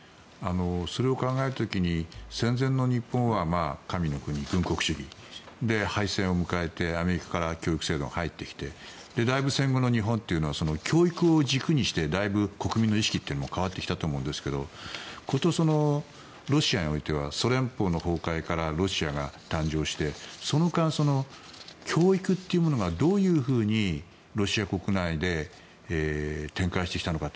それを考える時に戦前の日本は神の国、軍国主義敗戦を迎えて、アメリカから教育制度が入ってきてだいぶ戦後の日本というのは教育を軸にしてだいぶ国民の意識も変わってきたと思うんですがことそのロシアにおいてはソ連邦の崩壊からロシアが誕生してその間、教育というものがどういうふうにロシア国内で転換してきたのか。